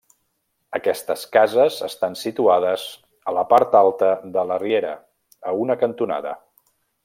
Aquestes cases estan situades a la part alta de la Riera, a una cantonada.